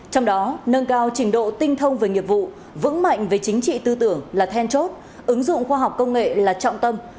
trong đó nâng cao trình độ tinh thông về nghiệp vụ vững mạnh về chính trị tư tưởng là then chốt ứng dụng khoa học công nghệ là trọng tâm